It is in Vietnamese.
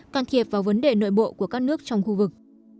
can thiệp vào vấn đề nội bộ của các nước trong khu vực